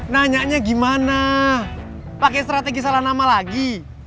nanya gimana pakai strategi salah nama lagi